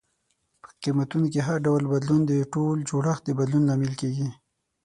په قیمتونو کې هر ډول بدلون د ټول جوړښت د بدلون لامل کیږي.